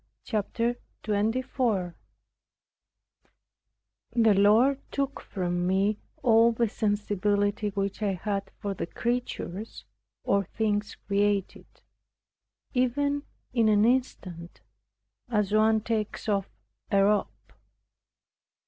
CHAPTER 24 The Lord took from me all the sensibility which I had for the creatures, or things created, even in an instant, as one takes off a robe.